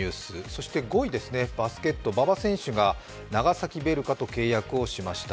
そして５位ですね、バスケット、馬場選手が長崎ヴェルカと契約しました。